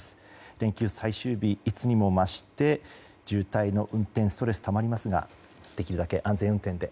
連休最終日、いつにも増して渋滞の運転ストレスがたまりますができるだけ安全運転で。